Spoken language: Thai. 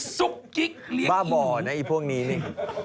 ซุ๊กกิ๊กเลี้ยงอีหนูบ้าบ่อนะพวกนี้นี่